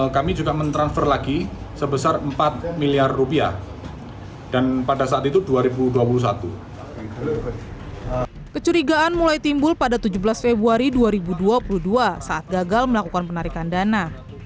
kecurigaan mulai timbul pada tujuh belas februari dua ribu dua puluh dua saat gagal melakukan penarikan dana